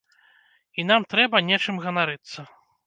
І нам трэба нечым ганарыцца.